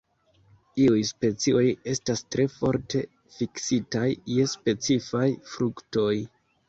Iuj specioj estas tre forte fiksitaj je specifaj fruktoj.